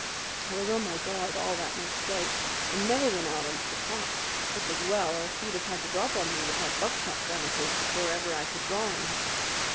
"I was on my guard all that next day, and never went out into the park. It's as well, or he'd have had the drop on me with that buckshot gun of his before ever I could draw on him.